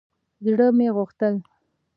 زړه مې غوښتل